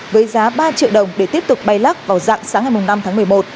với giá ba triệu đồng để tiếp tục bay lắc vào dạng sáng ngày năm tháng một mươi một